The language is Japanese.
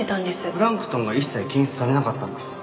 プランクトンが一切検出されなかったんです。